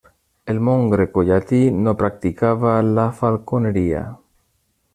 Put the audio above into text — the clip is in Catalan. El món grecollatí no practicava la falconeria.